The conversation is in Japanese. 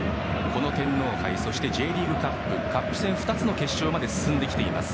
この天皇杯、そしてＪリーグカップカップ戦２つの決勝まで進んできています。